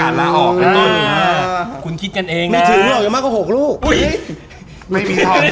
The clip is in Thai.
แอ๊กไง